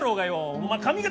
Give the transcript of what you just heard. お前髪形